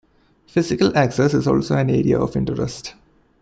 Physical access is also an area of interest.